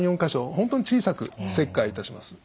本当に小さく切開いたします。